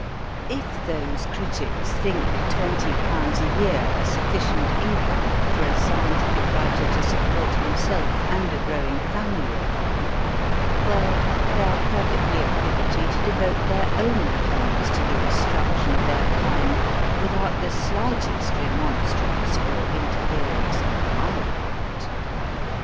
If those critics think twenty pounds a year a sufficient income for a scientific writer to support himself and a growing family upon well, they are perfectly at liberty to devote their own pens to the instruction of their kind without the slightest remonstrance or interference on my part.